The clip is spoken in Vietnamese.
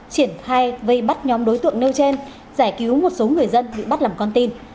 triển khai vây bắt nhóm đối tượng nêu trên giải cứu một số người dân bị bắt làm con tin